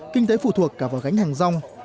kinh tế phụ thuộc cả vào gánh hàng rong